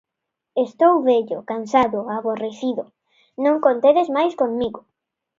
Estou vello, cansado, aborrecido... non contedes máis comigo